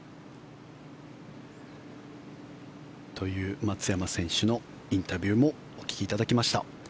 という松山選手のインタビューもお聞きいただきました。